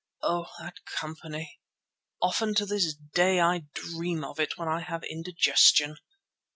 Oh! that company! Often to this day I dream of it when I have indigestion.